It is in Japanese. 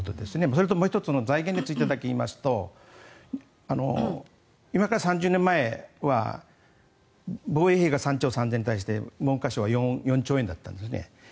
それともう１つ財源についてだけ言いますと今から３０年前は防衛費が３兆３０００に対して文科省は４兆円だったんですね。